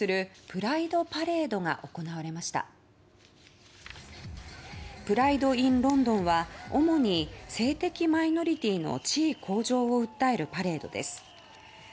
プライド・イン・ロンドンは主に性的マイノリティーの地位向上を訴えるパレードです。